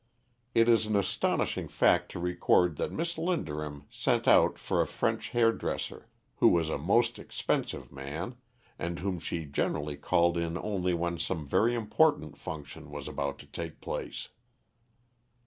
It is an astonishing fact to record that Miss Linderham sent out for a French hairdresser, who was a most expensive man, and whom she generally called in only when some very important function was about to take place.